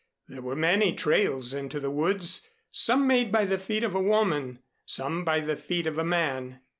There were many trails into the woods some made by the feet of a woman, some by the feet of a man.